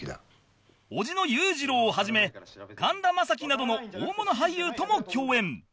叔父の裕次郎を始め神田正輝などの大物俳優とも共演